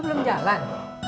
lo belum jalan